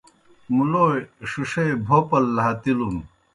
مُلوئے ݜِݜے بھوپَل لھاتِلُن۔